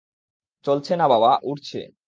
চলছে না বাবা উড়ছে!